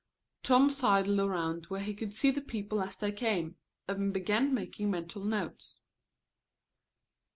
Tom sidled around where he could see the people as they came, and began making mental notes.